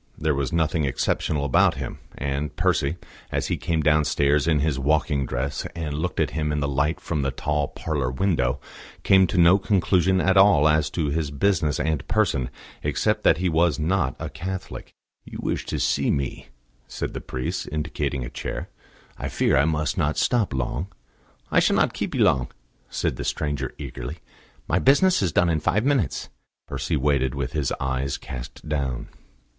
There was nothing exceptional about him; and Percy, as he came downstairs in his walking dress and looked at him in the light from the tall parlour window, came to no conclusion at all as to his business and person, except that he was not a Catholic. "You wished to see me," said the priest, indicating a chair. "I fear I must not stop long." "I shall not keep you long," said the stranger eagerly. "My business is done in five minutes." Percy waited with his eyes cast down.